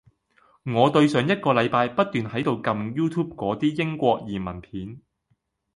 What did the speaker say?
我對上一個禮拜不斷喺度撳 YouTube 嗰啲英國移民片